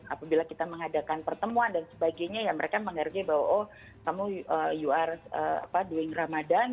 apabila kita mengadakan pertemuan dan sebagainya ya mereka menghargai bahwa oh kamu you are doing ramadan